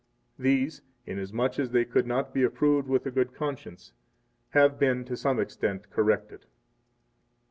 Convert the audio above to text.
These, inasmuch as they could not be approved with a good conscience, have been to some extent corrected.